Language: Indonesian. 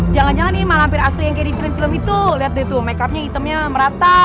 jangan jangan ini malam pir asli yang kayak di film film itu liat deh tuh make upnya itemnya merata bagus